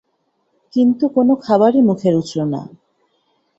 কিন্তু কোনো খাবারই মুখে রুচল না।